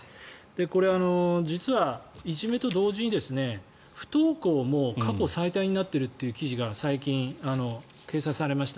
これは実はいじめと同時に不登校も過去最多になっているという記事が最近掲載されました。